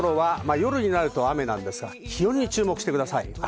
きょうのところは夜になると雨なんですが、気温に注目してください。